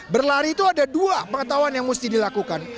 berlari itu ada dua pengetahuan yang mesti dilakukan